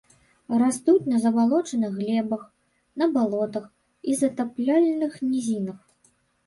Растуць на забалочаных глебах, на балотах і затапляльных нізінах.